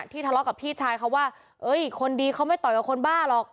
ทะเลาะกับพี่ชายเขาว่าเอ้ยคนดีเขาไม่ต่อยกับคนบ้าหรอก